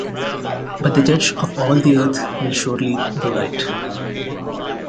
But the Judge of all the earth will surely do right.